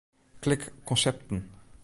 Klik Konsepten.